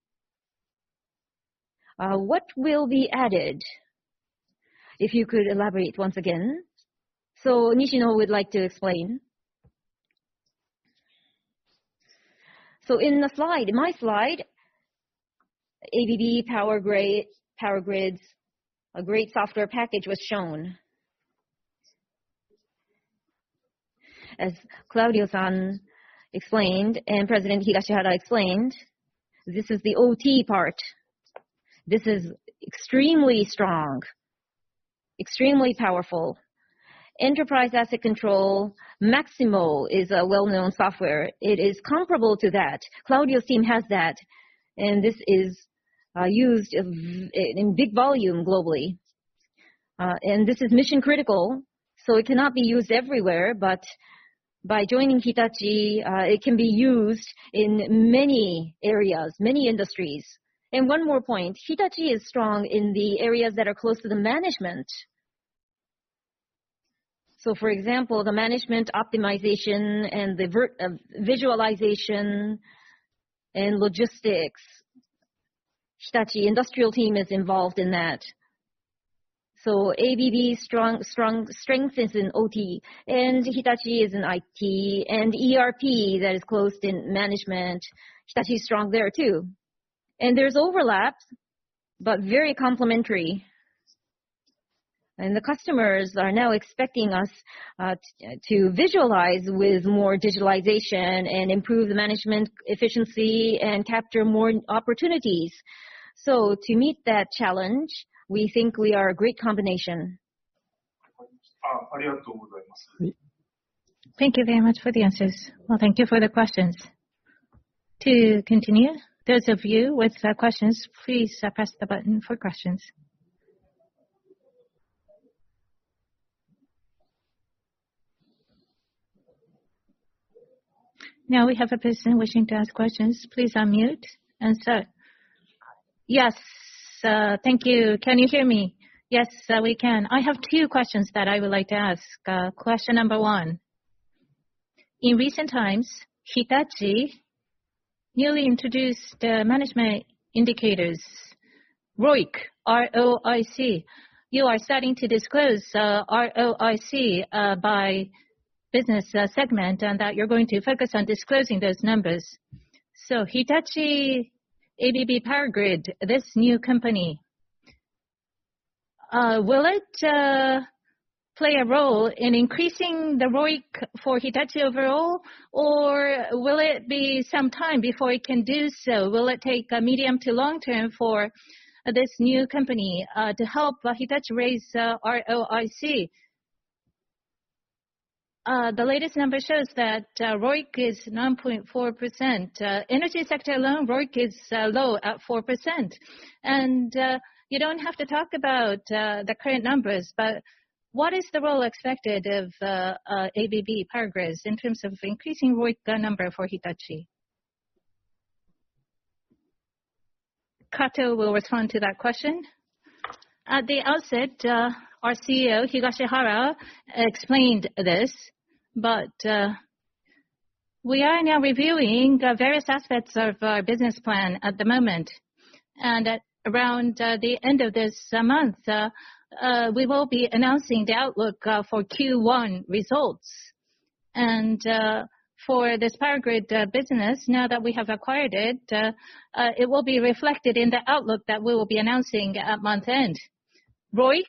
what will be added. If you could elaborate once again. Nishino would like to explain. In my slide, ABB Power Grids, a great software package was shown. As Claudio-san explained, President Higashihara explained, this is the OT part. This is extremely strong, extremely powerful. Enterprise asset control, Maximo is a well-known software. It is comparable to that. Claudio's team has that, this is used in big volume globally. This is mission-critical, so it cannot be used everywhere, but by joining Hitachi, it can be used in many areas, many industries. One more point, Hitachi is strong in the areas that are close to the management. For example, the management optimization and the visualization and logistics. Hitachi Industrial team is involved in that. ABB's strength is in OT, and Hitachi is in IT and ERP that is closed in management. Hitachi is strong there, too. There's overlaps, but very complementary. The customers are now expecting us to visualize with more digitalization and improve the management efficiency and capture more opportunities. To meet that challenge, we think we are a great combination. Thank you very much for the answers. Well, thank you for the questions. To continue, those of you with questions, please press the button for questions. Now we have a person wishing to ask questions. Please unmute. Start. Yes. Thank you. Can you hear me? Yes, we can. I have two questions that I would like to ask. Question number 1. In recent times, Hitachi newly introduced management indicators ROIC. R-O-I-C. You are starting to disclose ROIC by business segment, and that you're going to focus on disclosing those numbers. Hitachi ABB Power Grids, this new company, will it play a role in increasing the ROIC for Hitachi overall, or will it be some time before it can do so? Will it take a medium to long-term for this new company to help Hitachi raise ROIC? The latest number shows that ROIC is 9.4%. Energy sector alone, ROIC is low at 4%. You don't have to talk about the current numbers, but what is the role expected of ABB Power Grids in terms of increasing ROIC number for Hitachi? Kato will respond to that question. At the outset, our CEO, Higashihara, explained this, but we are now reviewing various aspects of our business plan at the moment. At around the end of this month, we will be announcing the outlook for Q1 results. For this Power Grids business, now that we have acquired it will be reflected in the outlook that we will be announcing at month-end. ROIC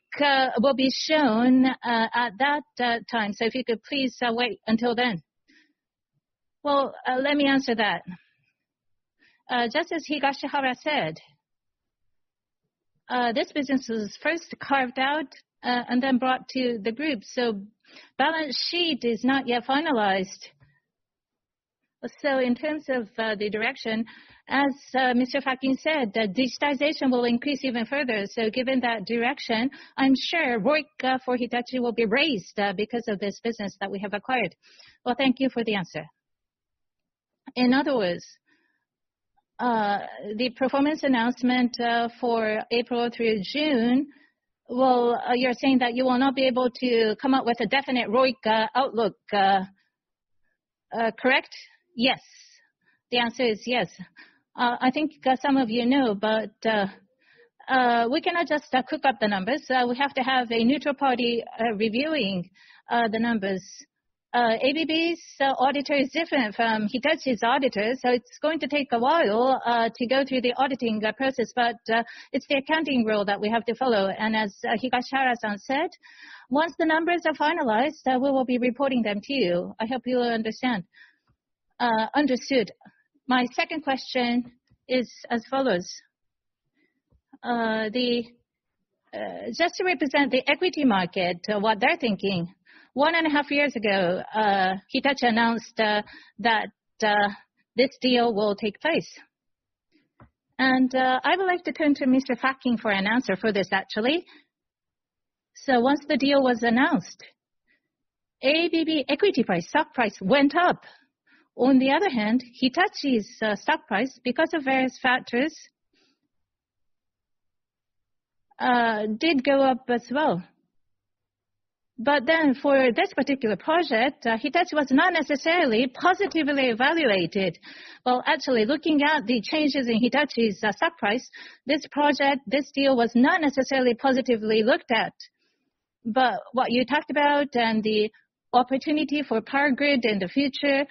will be shown at that time, so if you could please wait until then. Well, let me answer that. Just as Higashihara said, this business was first carved out, and then brought to the group. Balance sheet is not yet finalized. In terms of the direction, as Mr. Facchin said, digitization will increase even further. Given that direction, I'm sure ROIC for Hitachi will be raised because of this business that we have acquired. Well, thank you for the answer. In other words, the performance announcement for April through June, well, you're saying that you will not be able to come up with a definite ROIC outlook, correct? Yes. The answer is yes. I think some of you know. We cannot just cook up the numbers. We have to have a neutral party reviewing the numbers. ABB's auditor is different from Hitachi's auditor. It's going to take a while to go through the auditing process. It's the accounting rule that we have to follow. As Higashihara-san said, once the numbers are finalized, we will be reporting them to you. I hope you understood. My second question is as follows. Just to represent the equity market, what they're thinking, one and a half years ago, Hitachi announced that this deal will take place. I would like to turn to Mr. Facchin for an answer for this, actually. Once the deal was announced, ABB equity price, stock price went up. On the other hand, Hitachi's stock price, because of various factors, did go up as well. For this particular project, Hitachi was not necessarily positively evaluated. Well, actually, looking at the changes in Hitachi's stock price, this project, this deal was not necessarily positively looked at. What you talked about and the opportunity for Power Grid in the future,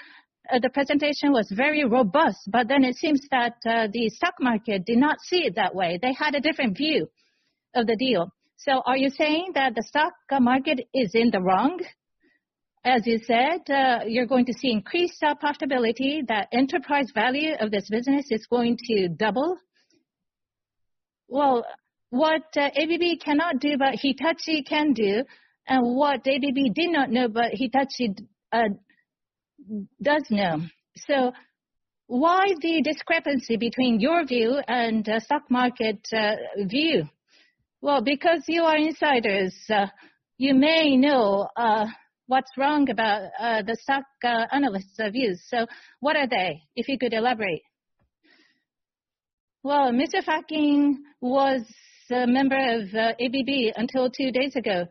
the presentation was very robust. It seems that the stock market did not see it that way. They had a different view of the deal. Are you saying that the stock market is in the wrong? As you said, you're going to see increased profitability, that enterprise value of this business is going to double. Well, what ABB cannot do, but Hitachi can do, and what ABB did not know, but Hitachi does know. Why the discrepancy between your view and stock market view? Well, because you are insiders, you may know what's wrong about the stock analysts' views. What are they, if you could elaborate? Well, Mr. Facchin was a member of ABB until two days ago.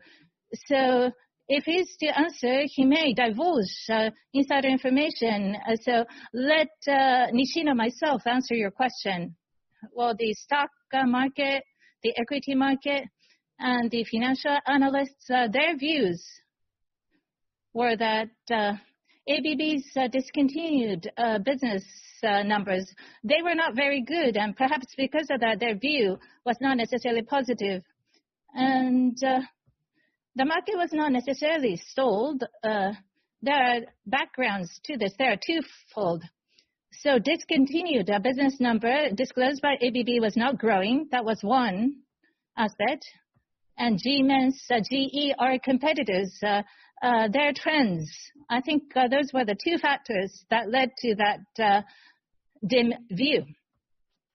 If he's to answer, he may divulge insider information. Let Nishino, myself, answer your question. Well, the stock market, the equity market, and the financial analysts, their views were that ABB's discontinued business numbers, they were not very good, and perhaps because of that, their view was not necessarily positive. The market was not necessarily sold. There are backgrounds to this. There are twofold. Discontinued business number disclosed by ABB was not growing. That was one aspect. Siemens, GE are competitors, their trends. I think those were the two factors that led to that dim view.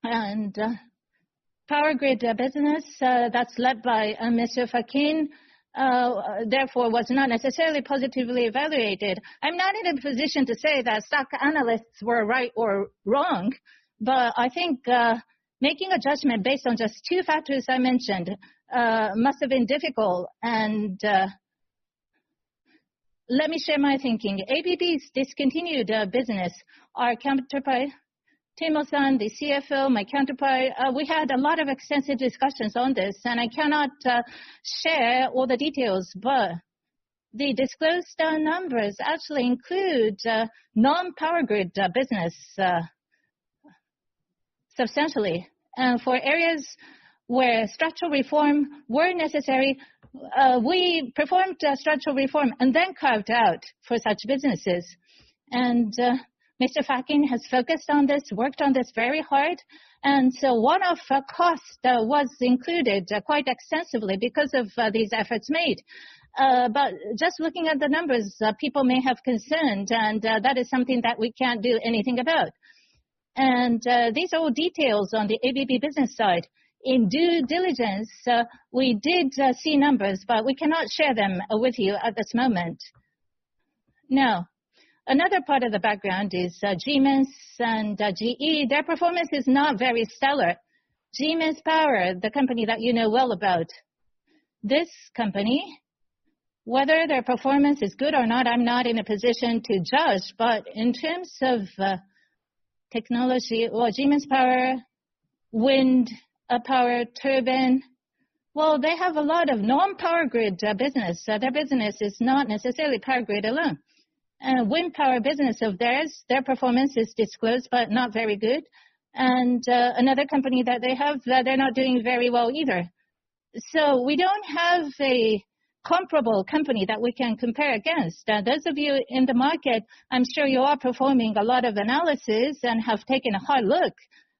Power Grids business that's led by Mr. Facchin, therefore, was not necessarily positively evaluated. I'm not in a position to say that stock analysts were right or wrong, I think making a judgment based on just two factors I mentioned must have been difficult. Let me share my thinking. ABB's discontinued business, our counterpart, Timo-san, the CFO, my counterpart, we had a lot of extensive discussions on this, I cannot share all the details. The disclosed numbers actually include non-Power Grids business, substantially. For areas where structural reform were necessary, we performed a structural reform and then carved out for such businesses. Mr. Facchin has focused on this, worked on this very hard. One-off cost was included quite extensively because of these efforts made. Just looking at the numbers, people may have concerns, and that is something that we can't do anything about. These are all details on the ABB business side. In due diligence, we did see numbers, but we cannot share them with you at this moment. Now, another part of the background is Siemens and GE, their performance is not very stellar. Siemens Energy, the company that you know well about, this company, whether their performance is good or not, I'm not in a position to judge. In terms of technology, well, Siemens Energy, wind power turbine, well, they have a lot of non-power grid business. Their business is not necessarily power grid alone. Wind power business of theirs, their performance is disclosed, but not very good. Another company that they have, they're not doing very well either. We don't have a comparable company that we can compare against. Those of you in the market, I'm sure you are performing a lot of analysis and have taken a hard look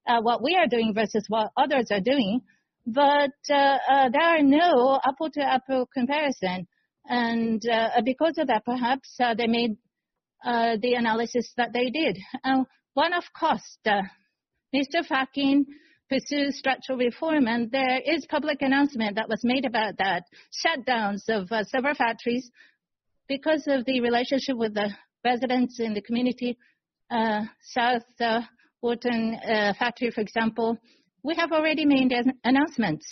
at what we are doing versus what others are doing. There are no apple-to-apple comparison. Because of that, perhaps, they made the analysis that they did. One-off cost, Mr. Facchin pursued structural reform, and there is public announcement that was made about that. Shutdowns of several factories because of the relationship with the residents in the community, South Wharton factory, for example, we have already made announcements.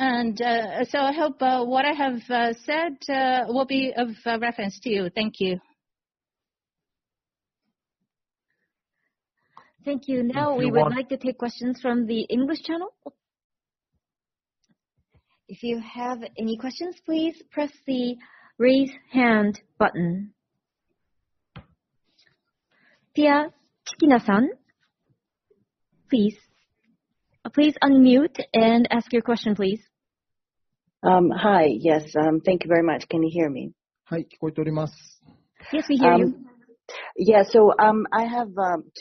I hope what I have said will be of reference to you. Thank you. Thank you. Now we would like to take questions from the English channel. If you have any questions, please press the raise hand button. Pia Chikina-san, please unmute and ask your question, please. Hi. Yes, thank you very much. Can you hear me? Yes, we hear you. I have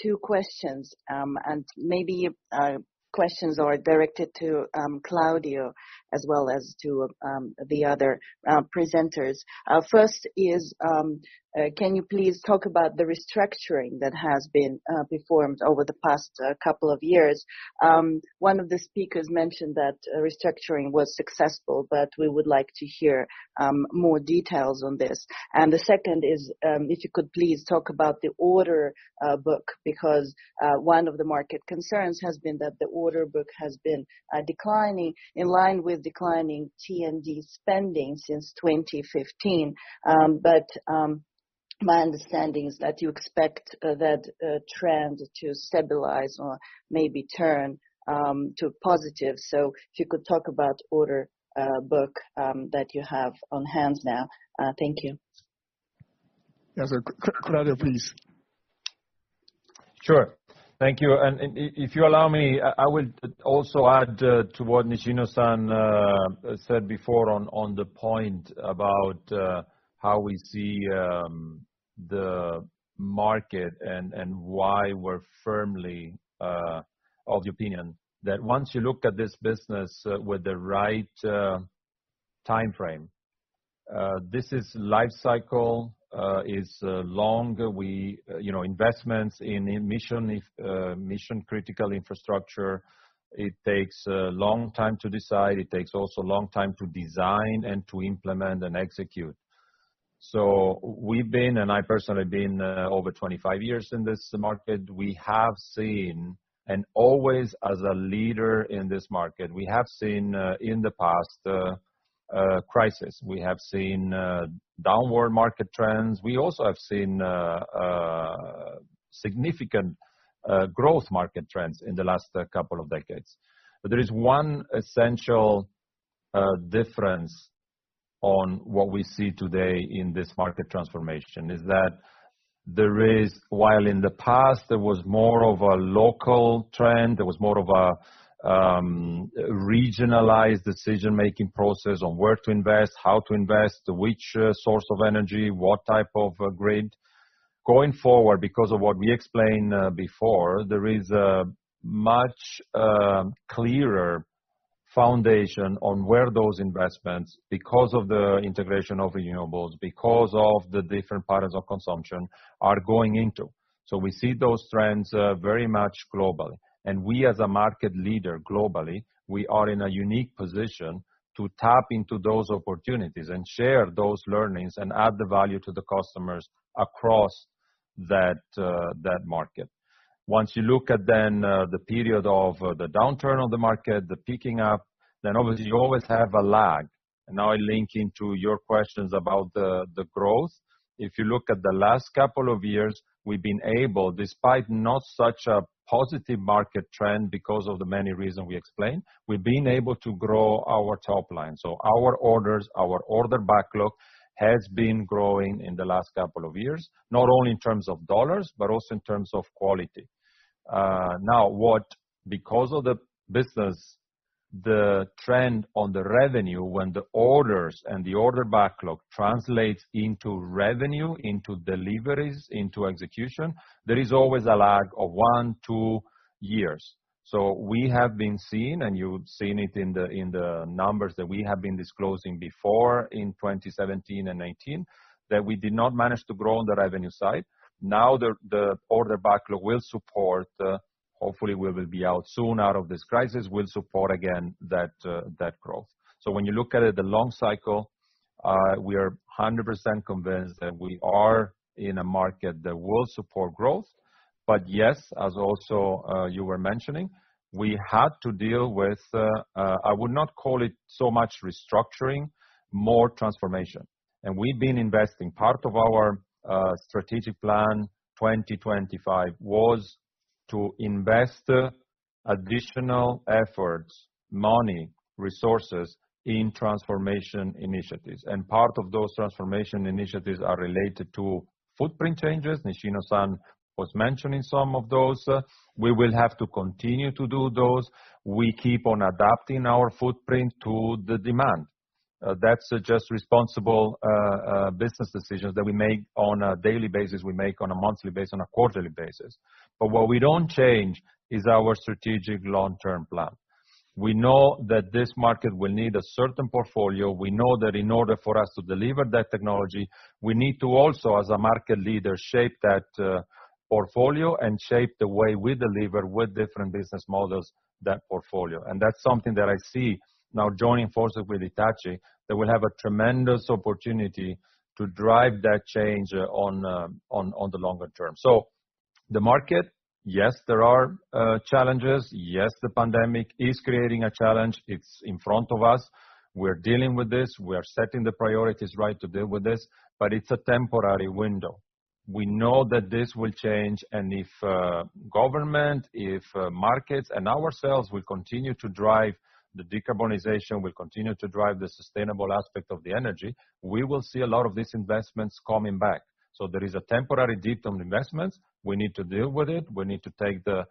two questions, and maybe questions are directed to Claudio as well as to the other presenters. First is, can you please talk about the restructuring that has been performed over the past couple of years? One of the speakers mentioned that restructuring was successful, but we would like to hear more details on this. The second is, if you could please talk about the order book, because one of the market concerns has been that the order book has been declining in line with declining T&D spending since 2015. My understanding is that you expect that trend to stabilize or maybe turn to positive. If you could talk about order book that you have on hand now. Thank you. Yes, sir. Claudio, please. Sure. Thank you. If you allow me, I will also add to what Nishino-san said before on the point about how we see the market and why we're firmly of the opinion that once you look at this business with the right timeframe, this life cycle is long. Investments in mission-critical infrastructure, it takes a long time to decide. It takes also a long time to design and to implement and execute. We've been, and I personally have been over 25 years in this market. We have seen, and always as a leader in this market, we have seen in the past crisis. We have seen downward market trends. We also have seen significant growth market trends in the last couple of decades. There is one essential difference on what we see today in this market transformation, is that there is, while in the past there was more of a local trend, there was more of a regionalized decision-making process on where to invest, how to invest, which source of energy, what type of grid. Going forward, because of what we explained before, there is a much clearer foundation on where those investments, because of the integration of renewables, because of the different patterns of consumption, are going into. We see those trends very much globally. We as a market leader globally, we are in a unique position to tap into those opportunities and share those learnings and add the value to the customers across that market. Once you look at then the period of the downturn of the market, the picking up, then obviously you always have a lag. I link into your questions about the growth. If you look at the last couple of years, we've been able, despite not such a positive market trend because of the many reason we explained, we've been able to grow our top line. Our orders, our order backlog, has been growing in the last couple of years, not only in terms of $, but also in terms of quality. Because of the business, the trend on the revenue when the orders and the order backlog translates into revenue, into deliveries, into execution, there is always a lag of one, two years. We have been seeing, and you've seen it in the numbers that we have been disclosing before in 2017 and 2019, that we did not manage to grow on the revenue side. The order backlog will support, hopefully we will be out soon out of this crisis, will support again that growth. When you look at it, the long cycle, we are 100% convinced that we are in a market that will support growth. Yes, as also you were mentioning, we had to deal with, I would not call it so much restructuring, more transformation. We've been investing. Part of our strategic plan 2025 was to invest additional efforts, money, resources, in transformation initiatives. Part of those transformation initiatives are related to footprint changes. Nishino-san was mentioning some of those. We will have to continue to do those. We keep on adapting our footprint to the demand. That's just responsible business decisions that we make on a daily basis, we make on a monthly basis, on a quarterly basis. What we don't change is our strategic long-term plan. We know that this market will need a certain portfolio. We know that in order for us to deliver that technology, we need to also, as a market leader, shape that portfolio and shape the way we deliver with different business models, that portfolio. That's something that I see now joining forces with Hitachi, that we'll have a tremendous opportunity to drive that change on the longer term. The market, yes, there are challenges. Yes, the pandemic is creating a challenge. It's in front of us. We're dealing with this. We are setting the priorities right to deal with this, but it's a temporary window. We know that this will change, and if government, if markets, and ourselves will continue to drive the decarbonization, will continue to drive the sustainable aspect of the energy, we will see a lot of these investments coming back. There is a temporary dip on investments. We need to deal with it. We need to take the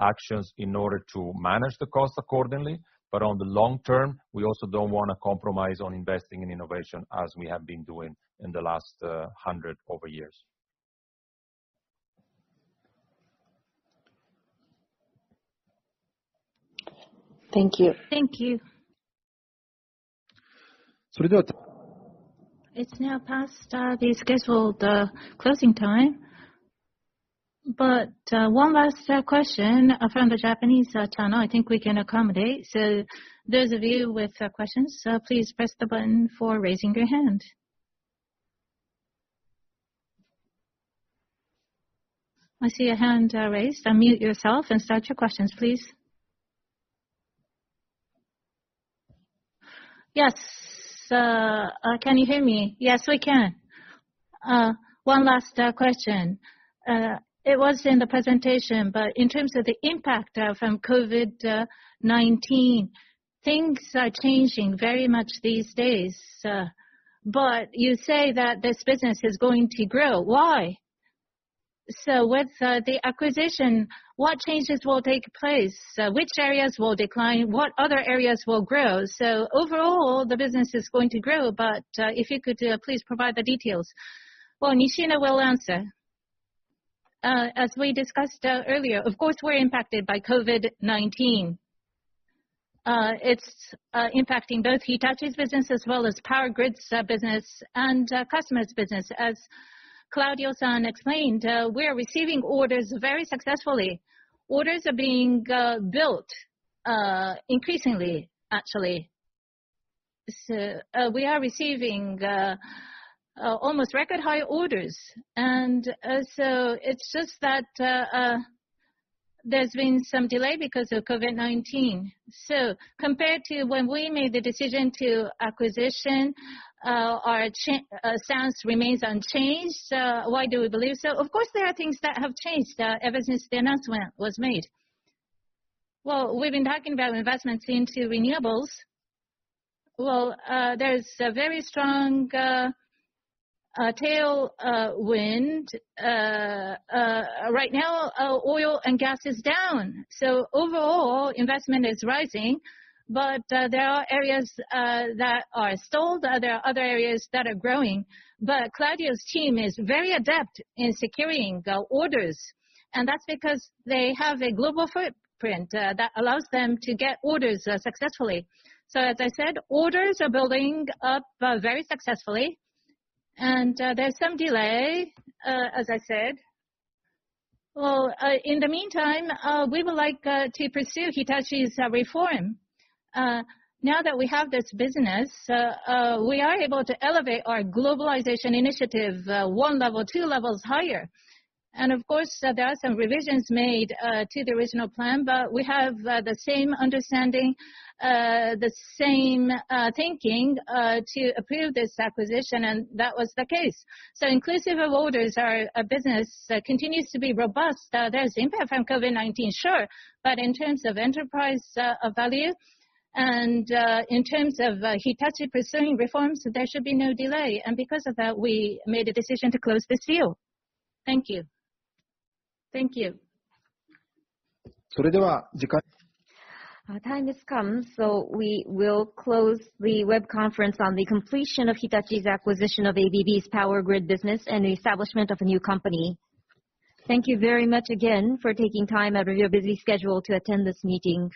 actions in order to manage the cost accordingly. On the long term, we also don't want to compromise on investing in innovation as we have been doing in the last 100 over years. Thank you. Thank you. It's now past the scheduled closing time. One last question from the Japanese channel, I think we can accommodate. Those of you with questions, please press the button for raising your hand. I see a hand raised. Unmute yourself and state your questions, please. Yes. Can you hear me? Yes, we can. One last question. It was in the presentation, but in terms of the impact from COVID-19, things are changing very much these days. You say that this business is going to grow. Why? With the acquisition, what changes will take place? Which areas will decline? What other areas will grow? Overall, the business is going to grow, but, if you could please provide the details. Well, Nishino will answer. As we discussed earlier, of course, we're impacted by COVID-19. It's impacting both Hitachi's business as well as Power Grids' business and customers' business. As Claudio-san explained, we are receiving orders very successfully. Orders are being built increasingly, actually. We are receiving almost record-high orders, it's just that there's been some delay because of COVID-19. Compared to when we made the decision to acquisition, our stance remains unchanged. Why do we believe so? Of course, there are things that have changed ever since the announcement was made. We've been talking about investments into renewables. There's a very strong tailwind. Right now, oil and gas is down. Overall, investment is rising, but there are areas that are stalled. There are other areas that are growing. Claudio's team is very adept in securing orders, and that's because they have a global footprint that allows them to get orders successfully. As I said, orders are building up very successfully, and there's some delay, as I said. In the meantime, we would like to pursue Hitachi's reform. Now that we have this business, we are able to elevate our globalization initiative one level, two levels higher. Of course, there are some revisions made to the original plan, but we have the same understanding, the same thinking, to approve this acquisition, and that was the case. Inclusive of orders, our business continues to be robust. There's impact from COVID-19, sure. In terms of enterprise value and in terms of Hitachi pursuing reforms, there should be no delay. Because of that, we made a decision to close this deal. Thank you. Thank you. Our time has come. We will close the web conference on the completion of Hitachi's acquisition of ABB's Power Grid business and the establishment of a new company. Thank you very much again for taking time out of your busy schedule to attend this meeting.